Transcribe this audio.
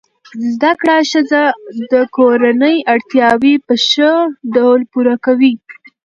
زده کړه ښځه د کورنۍ اړتیاوې په ښه ډول پوره کوي.